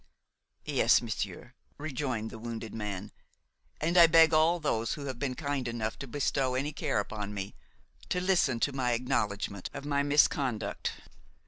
"Yes, monsieur," rejoined the wounded man, "and I beg all those who have been kind enough to bestow any care upon me to listen to my acknowledgement of my misconduct.